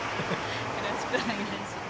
よろしくお願いします。